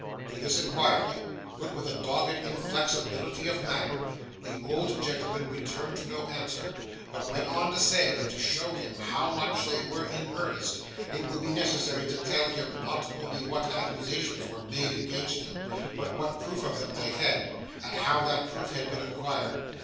To this inquiry, put with a dogged inflexibility of manner, the old gentleman returned no answer, but went on to say, that to show him how much they were in earnest, it would be necessary to tell him, not only what accusations were made against him, but what proof of them they had, and how that proof had been acquired.